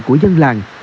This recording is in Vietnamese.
của dân làng